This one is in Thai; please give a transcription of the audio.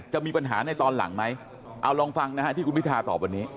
จะมีปัญหาในตอนหลังไหมเอาลองฟังนะฮะที่คุณพิทาตอบวันนี้